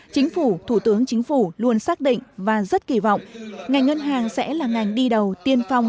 chính phủ thủ tướng chính phủ luôn xác định và rất kỳ vọng ngành ngân hàng sẽ là ngành đi đầu tiên phong